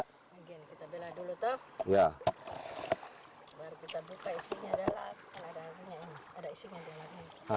kita bela dulu baru kita buka isinya adalah ada isinya di dalamnya